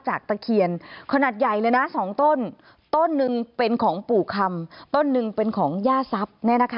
ตะเคียนขนาดใหญ่เลยนะสองต้นต้นหนึ่งเป็นของปู่คำต้นหนึ่งเป็นของย่าทรัพย์